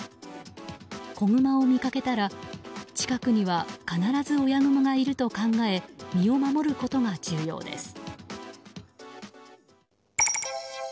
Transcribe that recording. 子グマを見かけたら近くには必ず親グマがいると考え身を守ることが重要です。